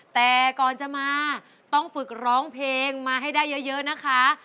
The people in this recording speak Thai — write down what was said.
แต่ก่อนจะมาต้องฝึกร้องเพลงมาให้ได้เยอะนะคะ